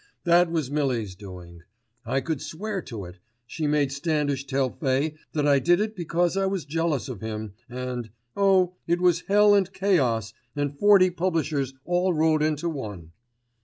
That was Millie's doing. I could swear to it, she made Standish tell Fay that I did it because I was jealous of him and—oh, it was hell and chaos and forty publishers all rolled into one."